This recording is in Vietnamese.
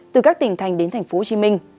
từ các tỉnh thành đến tp hcm